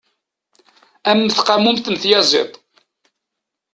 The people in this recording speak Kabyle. A mm tqamumt n tyaziḍt!